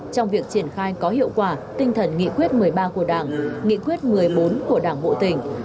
trong việc triển khai có hiệu quả tinh thần nghị quyết một mươi ba của đảng nghị quyết một mươi bốn của đảng bộ tỉnh